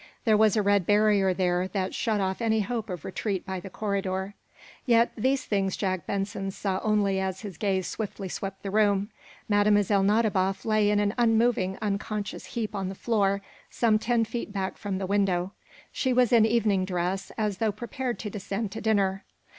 There was a red barrier there that shut off any hope of retreat by the corridor. Yet these things Jack Benson saw only as his gaze swiftly swept the room. Mlle. Nadiboff lay in an unmoving, unconscious heap on the floor, some ten feet back from the window. She was in evening dress, as though prepared to descend to dinner.